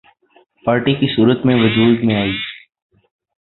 party کی صورت میں وجود میں آئی